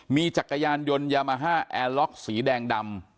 มีจักรยานยนต์ยามาฮ่าแอร์ล็อกสีแดงดำ